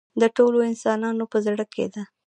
د ټولو انسانانو په زړه کې ده.